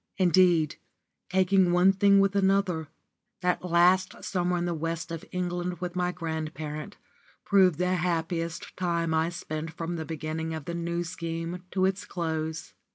Indeed, taking one thing with another, that last summer in the West of England with my grandparent, proved the happiest time I spent from the beginning of the New Scheme to its close.